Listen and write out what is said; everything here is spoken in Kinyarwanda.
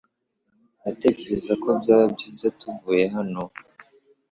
Ndatekereza ko byaba byiza tuvuye hano .